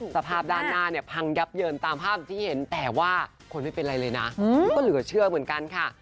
สภาพด้านหน้าเนี่ยพังยับเยินตามภาพที่เห็นแต่ว่าคนไม่เป็นไรเลยนะก็เหลือเชื่อเหมือนกันค่ะ